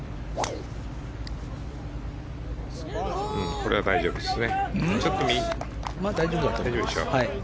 これは大丈夫ですね。